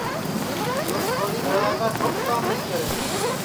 یو چھوری گھرا ٹُوپ کام نائی کرے